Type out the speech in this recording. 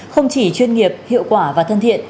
không chỉ chuyên nghiệp hiệu quả và thân thiện